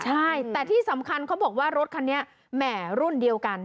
ใช่แต่ที่สำคัญเขาบอกว่ารถคันนี้แหม่รุ่นเดียวกัน